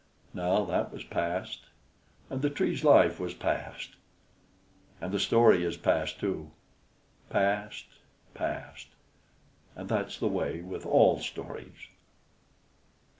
Now that was past, and the Tree's life was past, and the story is past too: past! past! and that's the way with all stories.